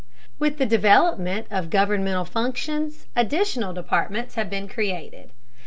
With the development of governmental functions, additional departments have been created.